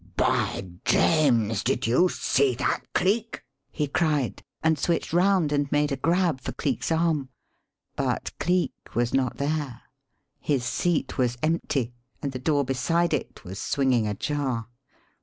"By James! Did you see that, Cleek?" he cried, and switched round and made a grab for Cleek's arm. But Cleek was not there. His seat was empty, and the door beside it was swinging ajar.